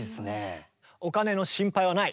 お金の心配はない。